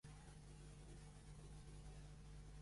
Hi ha algun lampista a la placeta dels Avis?